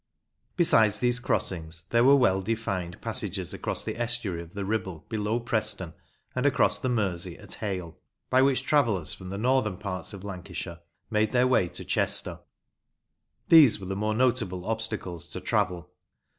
Besides these crossings, there were well defined passages across the estuary of the Ribble below Preston and across the Mersey at Hale, by which travellers from the northern parts of Lancashire made their way to Chester. These were the more notable obstacles to travel.